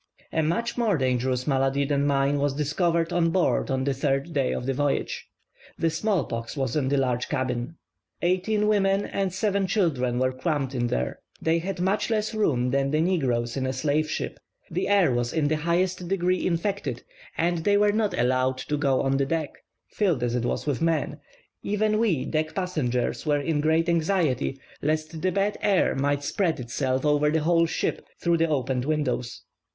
A much more dangerous malady than mine was discovered on board on the third day of the voyage. The small pox was in the large cabin. Eighteen women and seven children were crammed in there. They had much less room than the negroes in a slave ship; the air was in the highest degree infected, and they were not allowed to go on the deck, filled as it was with men; even we deck passengers were in great anxiety lest the bad air might spread itself over the whole ship through the opened windows.